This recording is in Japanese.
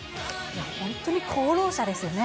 本当に功労者ですよね。